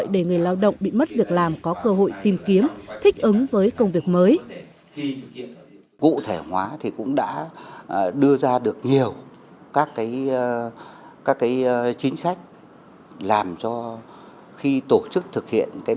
để cho lãnh đạo sở được ký